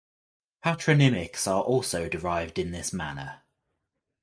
Patronymics are also derived in this manner.